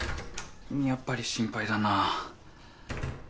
やっぱり心配だな。